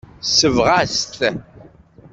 Tesbeɣ-as-t.